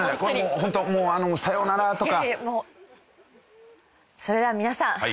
本当もう「さようなら！」とか。